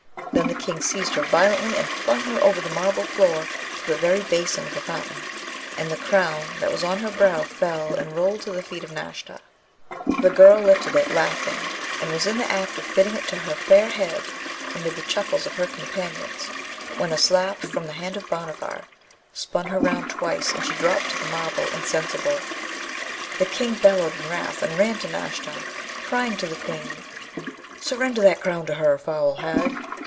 Then the King seized her violently, and flung her over the marble floor to the very basin of the fountain, and the crown that was on her brow fell and rolled to the feet of Nashta. The girl lifted it, laughing, and was in the act of fitting it to her fair head amid the chuckles of her companions, when a slap from the hand of Bhanavar spun her twice round, and she dropped to the marble insensible. The King bellowed in wrath, and ran to Nashta, crying to the Queen, 'Surrender that crown to her, foul hag!'